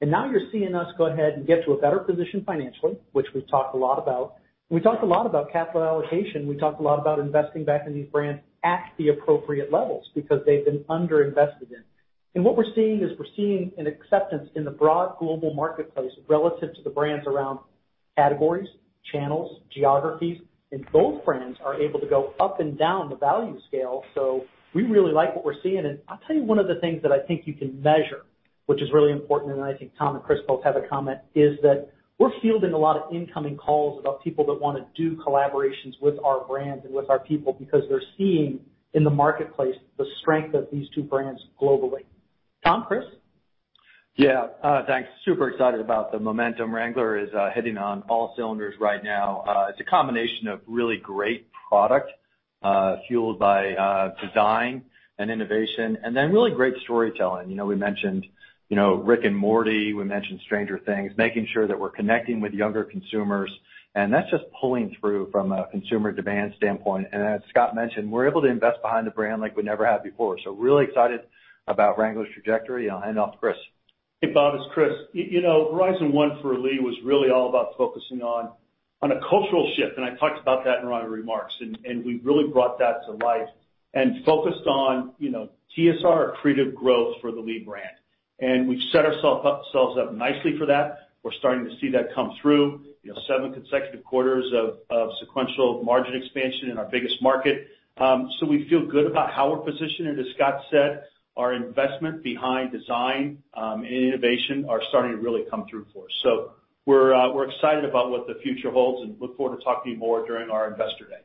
Now you're seeing us go ahead and get to a better position financially, which we've talked a lot about. We talked a lot about capital allocation. We talked a lot about investing back in these brands at the appropriate levels because they've been under invested in. What we're seeing is we're seeing an acceptance in the broad global marketplace relative to the brands around categories, channels, geographies, and both brands are able to go up and down the value scale. We really like what we're seeing. I'll tell you one of the things that I think you can measure, which is really important, and I think Tom and Chris both have a comment, is that we're fielding a lot of incoming calls about people that want to do collaborations with our brands and with our people because they're seeing in the marketplace the strength of these two brands globally. Tom, Chris? Yeah. Thanks. Super excited about the momentum. Wrangler is hitting on all cylinders right now. It's a combination of really great product fueled by design and innovation, really great storytelling. We mentioned "Rick and Morty," we mentioned "Stranger Things," making sure that we're connecting with younger consumers. That's just pulling through from a consumer demand standpoint. As Scott mentioned, we're able to invest behind the brand like we never have before. Really excited about Wrangler's trajectory, I'll hand off to Chris. Hey, Bob, it's Chris. Horizon 1 for Lee was really all about focusing on a cultural shift, and I talked about that in my remarks. We really brought that to life and focused on TSR accretive growth for the Lee brand. We've set ourselves up nicely for that. We're starting to see that come through. Seven consecutive quarters of sequential margin expansion in our biggest market. We feel good about how we're positioned. As Scott said, our investment behind design and innovation are starting to really come through for us. We're excited about what the future holds and look forward to talking to you more during our Investor Day.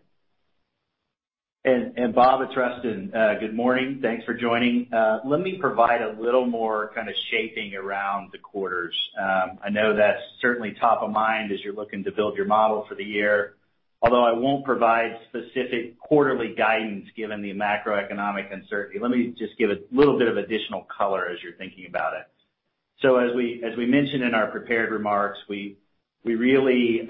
Bob, it's Rustin. Good morning. Thanks for joining. Let me provide a little more kind of shaping around the quarters. I know that's certainly top of mind as you're looking to build your model for the year. Although I won't provide specific quarterly guidance given the macroeconomic uncertainty, let me just give a little bit of additional color as you're thinking about it. As we mentioned in our prepared remarks, we really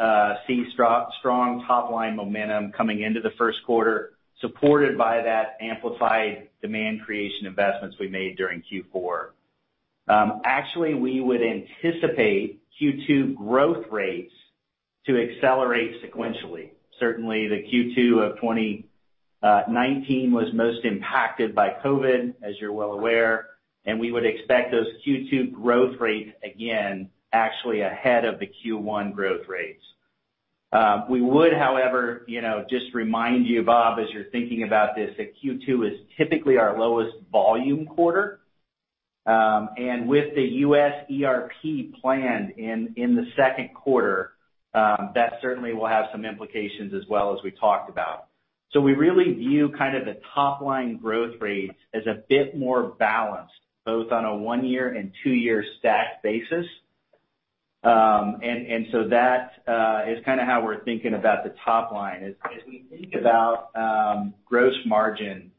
see strong top-line momentum coming into the first quarter, supported by that amplified demand creation investments we made during Q4. Actually, we would anticipate Q2 growth rates to accelerate sequentially. Certainly, the Q2 of 2019 was most impacted by COVID-19, as you're well aware, and we would expect those Q2 growth rates again actually ahead of the Q1 growth rates. We would, however, just remind you, Bob, as you're thinking about this, that Q2 is typically our lowest volume quarter. With the U.S. ERP planned in the second quarter, that certainly will have some implications as well as we talked about. We really view the top line growth rates as a bit more balanced, both on a one year and two year stacked basis. That is how we're thinking about the top line. As we think about gross margin,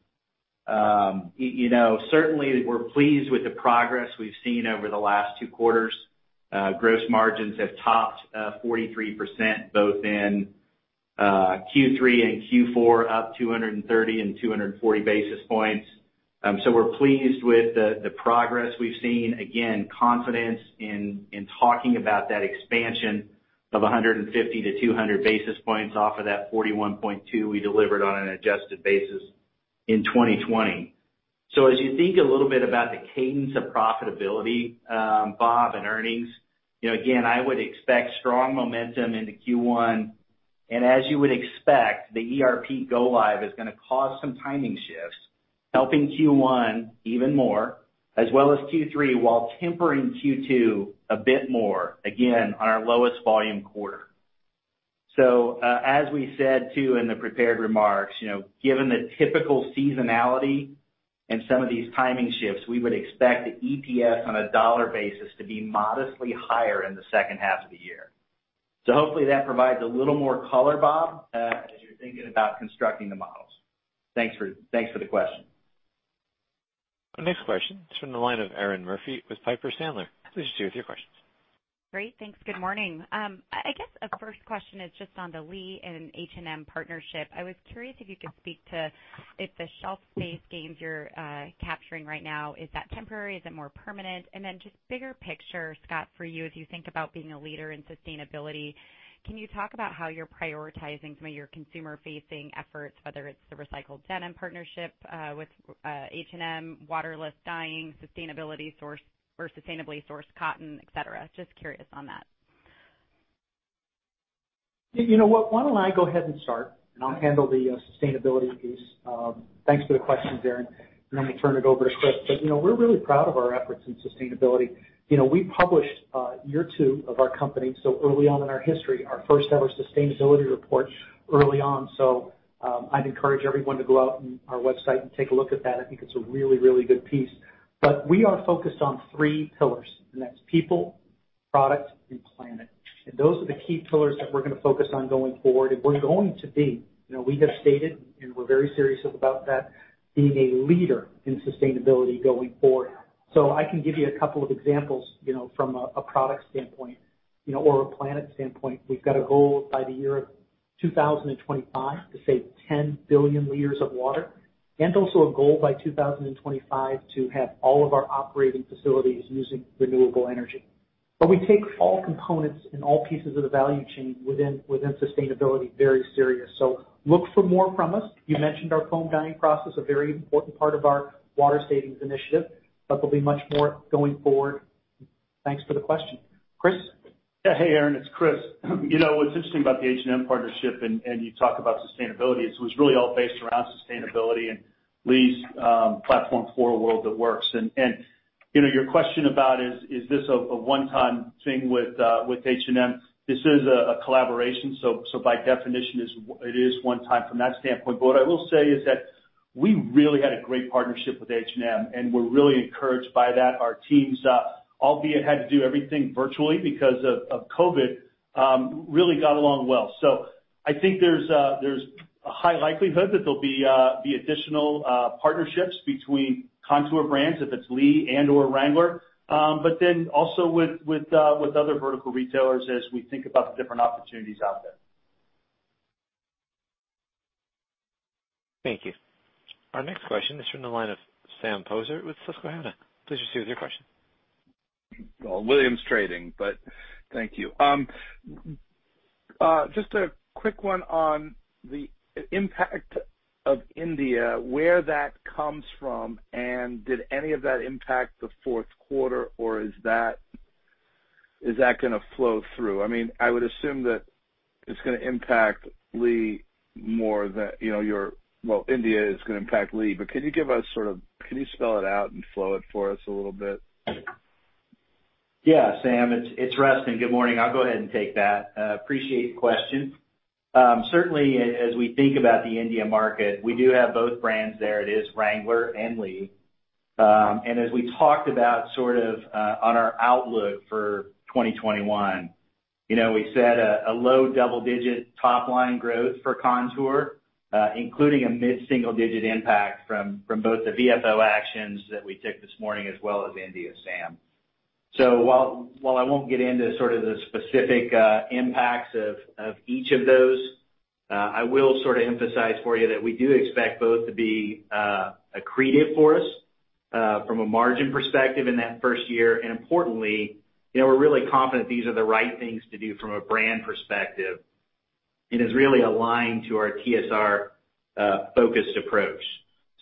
certainly we're pleased with the progress we've seen over the last two quarters. Gross margins have topped 43% both in Q3 and Q4 up 230 and 240 basis points. We're pleased with the progress we've seen. Again, confidence in talking about that expansion of 150-200 basis points off of that 41.2% we delivered on an adjusted basis in 2020. As you think a little bit about the cadence of profitability, Bob, and earnings, again, I would expect strong momentum into Q1. As you would expect, the ERP go live is going to cause some timing shifts, helping Q1 even more, as well as Q3, while tempering Q2 a bit more, again, on our lowest volume quarter. As we said too in the prepared remarks, given the typical seasonality and some of these timing shifts, we would expect the EPS on a dollar basis to be modestly higher in the second half of the year. Hopefully that provides a little more color, Bob, as you're thinking about constructing the models. Thanks for the question. Our next question is from the line of Erinn Murphy with Piper Sandler. Please proceed with your questions. Great. Thanks. Good morning. I guess a first question is just on the Lee and H&M partnership. I was curious if you could speak to if the shelf space gains you're capturing right now, is that temporary? Is it more permanent? Just bigger picture, Scott, for you, as you think about being a leader in sustainability, can you talk about how you're prioritizing some of your consumer facing efforts, whether it's the recycled denim partnership with H&M, waterless dyeing, sustainably sourced cotton, et cetera? Just curious on that. You know what? Why don't I go ahead and start, and I'll handle the sustainability piece. Thanks for the question, Erinn, and then we'll turn it over to Chris. We're really proud of our efforts in sustainability. We published year two of our company, so early on in our history, our first ever sustainability report early on. I'd encourage everyone to go out on our website and take a look at that. I think it's a really good piece. We are focused on three pillars, and that's people, product, and planet. Those are the key pillars that we're going to focus on going forward. We have stated, and we're very serious about that, being a leader in sustainability going forward. I can give you a couple of examples from a product standpoint or a planet standpoint. We've got a goal by the year of 2025 to save 10 billion liters of water, and also a goal by 2025 to have all of our operating facilities using renewable energy. We take all components and all pieces of the value chain within sustainability very serious. Look for more from us. You mentioned our foam dyeing process, a very important part of our water savings initiative, but there'll be much more going forward. Thanks for the question. Chris? Yeah. Hey, Erinn, it's Chris. What's interesting about the H&M partnership, and you talk about sustainability, is it was really all based around sustainability and Lee's platform For A World That Works. Your question about, is this a one-time thing with H&M? This is a collaboration, by definition, it is one time from that standpoint. What I will say is that we really had a great partnership with H&M, and we're really encouraged by that. Our teams, albeit had to do everything virtually because of COVID, really got along well. I think there's a high likelihood that there'll be additional partnerships between Kontoor Brands, if it's Lee and/or Wrangler. Also with other vertical retailers as we think about the different opportunities out there. Thank you. Our next question is from the line of Sam Poser with [Susquehanna]. Please proceed with your question. Well, Williams Trading but thank you. Just a quick one on the impact of India, where that comes from. Did any of that impact the fourth quarter, or is that going to flow through? I would assume that it's going to impact Lee more than. Well, India is going to impact Lee. Can you give us sort of, can you spell it out and flow it for us a little bit? Yeah, Sam, it's Rustin. Good morning. I'll go ahead and take that. Appreciate the question. As we think about the India market, we do have both brands there. It is Wrangler and Lee. As we talked about sort of on our outlook for 2021, we said a low double-digit top line growth for Kontoor, including a mid-single-digit impact from both the VFO actions that we took this morning as well as India, Sam. While I won't get into sort of the specific impacts of each of those, I will sort of emphasize for you that we do expect both to be accretive for us, from a margin perspective in that first year. Importantly, we're really confident these are the right things to do from a brand perspective. It is really aligned to our TSR-focused approach.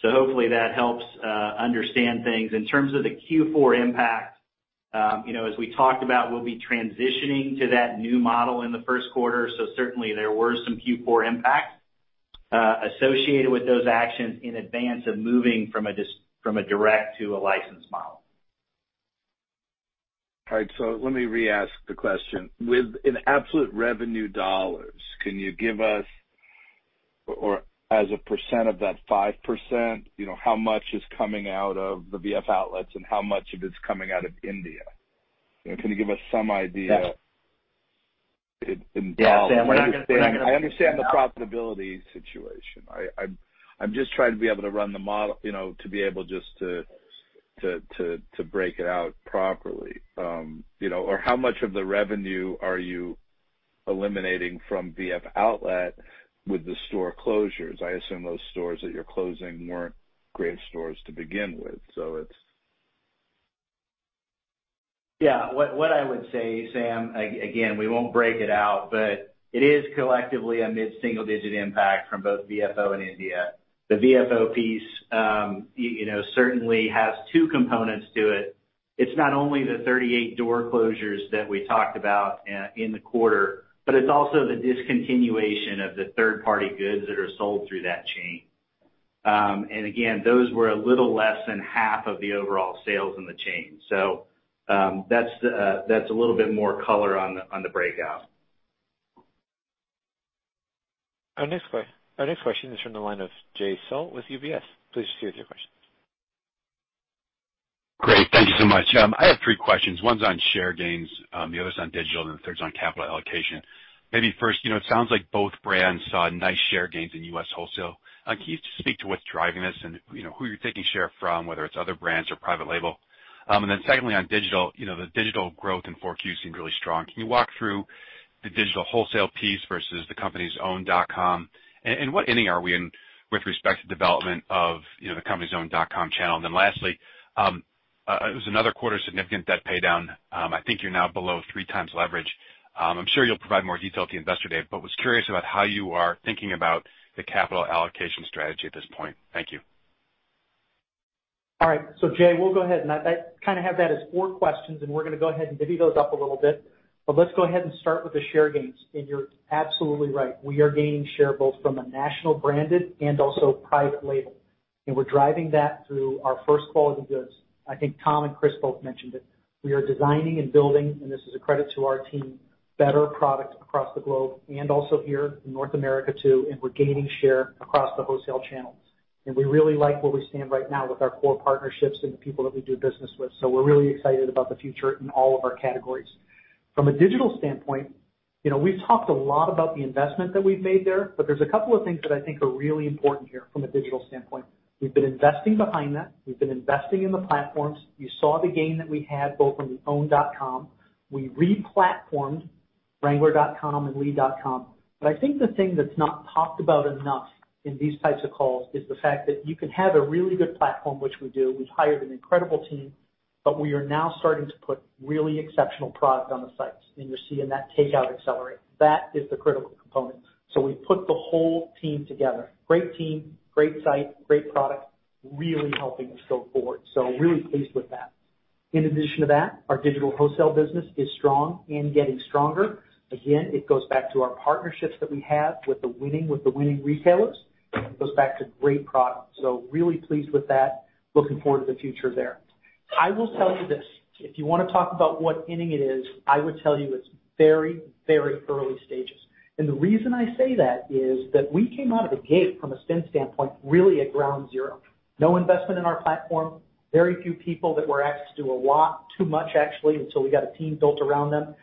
Hopefully that helps understand things. In terms of the Q4 impact, as we talked about, we'll be transitioning to that new model in the first quarter, so certainly there were some Q4 impacts associated with those actions in advance of moving from a direct to a licensed model. All right. Let me re-ask the question. With, in absolute revenue dollars, can you give us, or as a percent of that 5%, how much is coming out of the VF Outlet and how much of it's coming out of India? Can you give us some idea in dollars? Yeah, Sam. I understand the profitability situation. I'm just trying to be able to run the model, to be able just to break it out properly. How much of the revenue are you eliminating from VF Outlet with the store closures? I assume those stores that you're closing weren't great stores to begin with. What I would say, Sam, again, we won't break it out, but it is collectively a mid-single digit impact from both VFO and India. The VFO piece certainly has two components to it. It's not only the 38 door closures that we talked about in the quarter, but it's also the discontinuation of the third-party goods that are sold through that chain. Again, those were a little less than half of the overall sales in the chain. That's a little bit more color on the breakout. Our next question is from the line of Jay Sole with UBS. Please proceed with your question. Great. Thank you so much. I have three questions. One's on share gains, the other's on digital, and the third's on capital allocation. Maybe first, it sounds like both brands saw nice share gains in U.S. wholesale. Can you just speak to what's driving this and who you're taking share from, whether it's other brands or private label? Secondly, on digital, the digital growth in 4Q seemed really strong. Can you walk through the digital wholesale piece versus the company's own dot-com? What inning are we in with respect to development of the company's own dot-com channel? Lastly, it was another quarter significant debt pay down. I think you're now below three times leverage. I'm sure you'll provide more detail at the Investor Day, but was curious about how you are thinking about the capital allocation strategy at this point. Thank you. All right. Jay, we'll go ahead. I kind of have that as four questions, and we're going to go ahead and divvy those up a little bit. Let's go ahead and start with the share gains. You're absolutely right. We are gaining share both from a national branded and also private label. We're driving that through our first quality goods. I think Tom and Chris both mentioned it. We are designing and building, and this is a credit to our team, better products across the globe and also here in North America, too, and we're gaining share across the wholesale channels. We really like where we stand right now with our core partnerships and the people that we do business with. We're really excited about the future in all of our categories. From a digital standpoint, we've talked a lot about the investment that we've made there, but there's a couple of things that I think are really important here from a digital standpoint. We've been investing behind that. We've been investing in the platforms. You saw the gain that we had both on the own dot-com. We re-platformed wrangler.com and lee.com. I think the thing that's not talked about enough in these types of calls is the fact that you can have a really good platform, which we do. We've hired an incredible team, but we are now starting to put really exceptional product on the sites, and you're seeing that takeout accelerate. That is the critical component. We put the whole team together. Great team, great site, great product, really helping us go forward. Really pleased with that. In addition to that, our digital wholesale business is strong and getting stronger. Again, it goes back to our partnerships that we have with the winning retailers. It goes back to great product. Really pleased with that. Looking forward to the future there. I will tell you this, if you want to talk about what inning it is, I would tell you it's very early stages. The reason I say that is that we came out of the gate from a spin standpoint, really at ground zero. No investment in our platform. Very few people that were asked to do a lot, too much, actually, until we got a team built around them.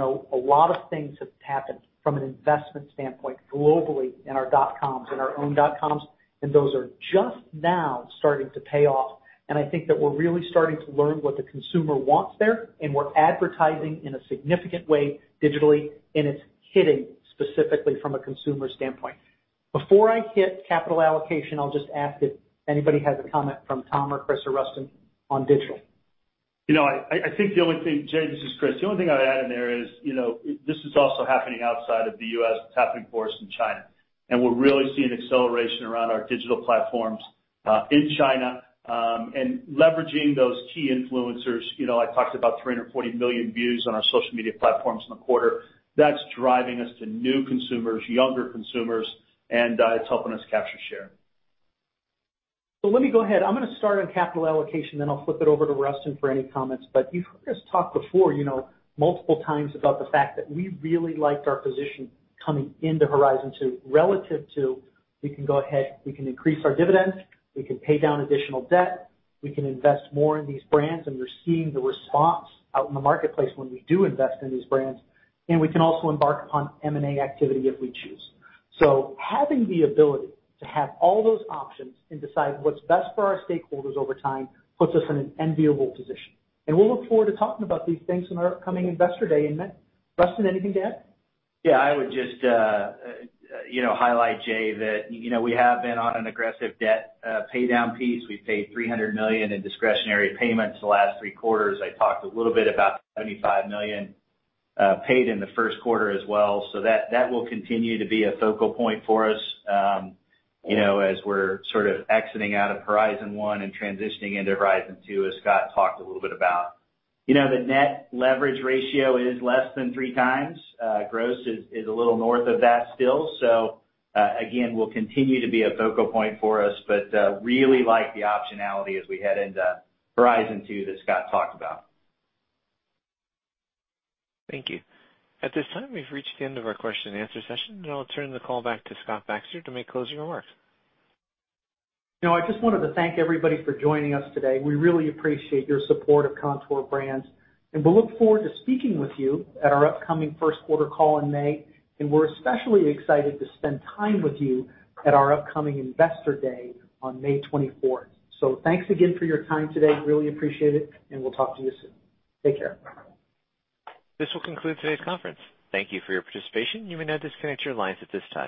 A lot of things have happened from an investment standpoint globally in our dotcoms and our owned dot-coms, and those are just now starting to pay off. I think that we're really starting to learn what the consumer wants there, and we're advertising in a significant way digitally, and it's hitting specifically from a consumer standpoint. Before I hit capital allocation, I'll just ask if anybody has a comment from Tom or Chris or Rustin on digital. I think the only thing, Jay, this is Chris. The only thing I'd add in there is, this is also happening outside of the U.S. It's happening for us in China. We're really seeing acceleration around our digital platforms, in China, and leveraging those key influencers. I talked about 340 million views on our social media platforms in the quarter. That's driving us to new consumers, younger consumers, and it's helping us capture share. Let me go ahead. I'm going to start on capital allocation, then I'll flip it over to Rustin for any comments. You've heard us talk before multiple times about the fact that we really liked our position coming into Horizon 2 relative to, we can go ahead, we can increase our dividends, we can pay down additional debt, we can invest more in these brands, and we're seeing the response out in the marketplace when we do invest in these brands, and we can also embark upon M&A activity if we choose. Having the ability to have all those options and decide what's best for our stakeholders over time puts us in an enviable position. We'll look forward to talking about these things in our upcoming Investor Day event. Rustin, anything to add? Yeah, I would just highlight, Jay, that we have been on an aggressive debt pay down pace. We've paid $300 million in discretionary payments the last three quarters. I talked a little bit about $75 million paid in the first quarter as well. That will continue to be a focal point for us as we're sort of exiting out of Horizon 1 and transitioning into Horizon 2, as Scott talked a little bit about. The net leverage ratio is less than three times. Gross is a little north of that still. Again, will continue to be a focal point for us, but really like the optionality as we head into Horizon 2 that Scott talked about. Thank you. At this time, we've reached the end of our question and answer session. I'll turn the call back to Scott Baxter to make closing remarks. I just wanted to thank everybody for joining us today. We really appreciate your support of Kontoor Brands, and we'll look forward to speaking with you at our upcoming first quarter call in May, and we're especially excited to spend time with you at our upcoming Investor Day on May 24th. Thanks again for your time today. Really appreciate it, and we'll talk to you soon. Take care. This will conclude today's conference. Thank you for your participation. You may now disconnect your lines at this time.